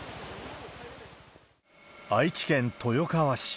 愛知県豊川市。